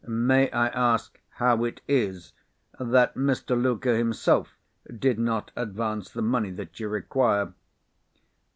"May I ask how it is that Mr. Luker himself did not advance the money that you require?"